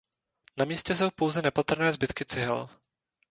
Na místě jsou pouze nepatrné zbytky cihel.